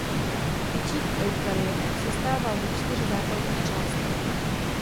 Bičík eukaryot sestává ze čtyř základních částí.